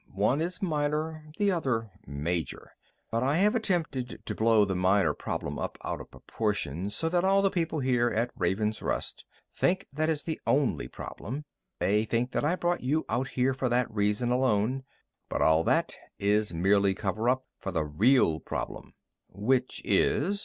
One is minor, the other major. But I have attempted to blow the minor problem up out of proportion, so that all the people here at Raven's Rest think that it is the only problem. They think that I brought you out here for that reason alone. "But all that is merely cover up for the real problem." "Which is?"